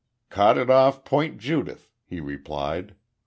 "Caught it off Point Judith," he replied.